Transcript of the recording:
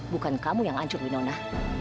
bukan kamu yang hancur winona